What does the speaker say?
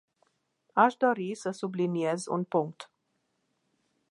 Aș dori să subliniez un punct.